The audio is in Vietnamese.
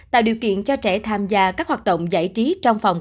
tạo điều kiện cho trẻ tham gia các hoạt động giải trí trong phòng